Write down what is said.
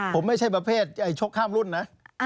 ผมไม่ใช่ประเภทชกข้ามรุ่นนะ